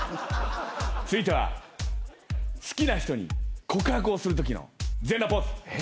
続いては好きな人に告白をするときの全裸ポーズ。